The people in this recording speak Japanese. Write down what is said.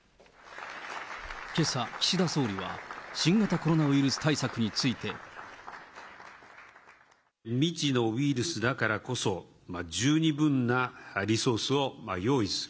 けさ、岸田総理は新型コロナウイルス対策について。未知のウイルスだからこそ、十二分なリソースを用意する。